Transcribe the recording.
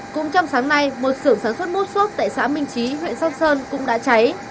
cũng trong sáng nay một sưởng sản xuất mút xốp tại xã minh trí huyện sóc sơn cũng đã cháy